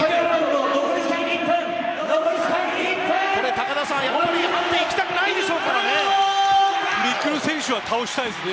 高田さん、判定にはいきたくないでしょうからね。